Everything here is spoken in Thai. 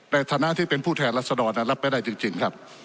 ในฐานะที่เป็นผู้แทนรัศดรรับไม่ได้จริงครับ